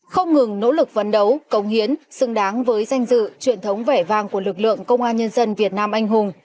không ngừng nỗ lực vấn đấu công hiến xứng đáng với danh dự truyền thống vẻ vang của lực lượng công an nhân dân việt nam anh hùng